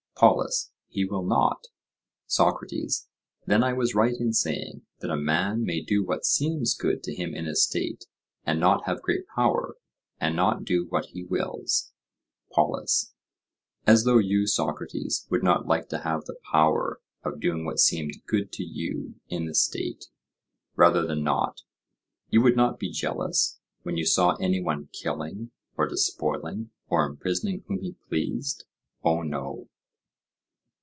POLUS: He will not. SOCRATES: Then I was right in saying that a man may do what seems good to him in a state, and not have great power, and not do what he wills? POLUS: As though you, Socrates, would not like to have the power of doing what seemed good to you in the state, rather than not; you would not be jealous when you saw any one killing or despoiling or imprisoning whom he pleased, Oh, no!